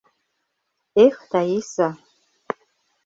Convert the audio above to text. Эх, Таиса!